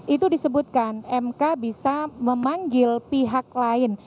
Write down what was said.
itu disebutkan mk bisa memanggil pihak lain